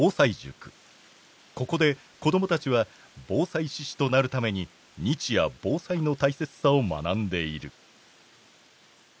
ここで子どもたちは防災志士となるために日夜防災の大切さを学んでいる。